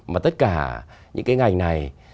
mà tất cả những cái ngành này